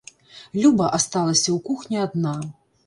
Люба асталася ў кухні адна.